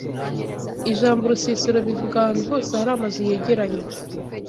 Ijambo urusisiro bivuga ahantu hose hari amazu yegeranye